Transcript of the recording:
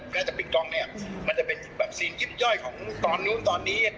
ถ้าจนต้ริงกลางเนี่ยมันจะเป็นซีนยุ่นย่อยของตอนตอนนี้